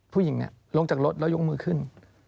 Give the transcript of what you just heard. ผู้หญิงลงจากรถแล้วยกมือขึ้น